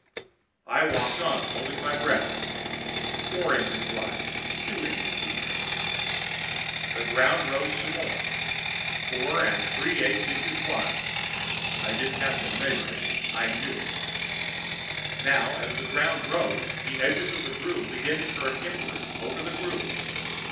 I walked on, holding my breath. Four inches wide. Two inches deep. The ground rose some more. Four and three eighths inches wide. I didn't have to measure it I knew. Now, as the ground rose, the edges of the groove began to curve inward over the groove.